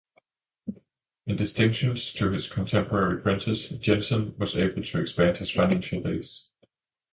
In distinction to his contemporary printers, Jenson was able to expand his financial base.